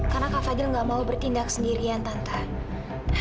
karena kak fadil nggak mau bertindak sendirian tante